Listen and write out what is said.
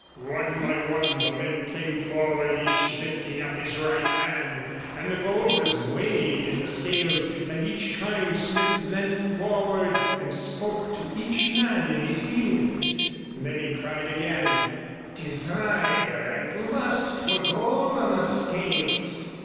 One by one the men came forward, each lifting up his right hand; and the gold was weighed in the scales, and each time Smith leant forward and spoke to each man in his ear. Then he cried again 'Desire and lust for gold on the scales.